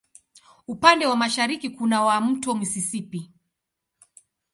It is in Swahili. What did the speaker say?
Upande wa mashariki kuna wa Mto Mississippi.